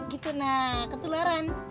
gitu nah ketularan